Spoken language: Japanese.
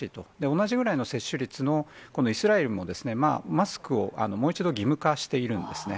同じぐらいの接種率の、このイスラエルも、マスクをもう一度義務化しているんですね。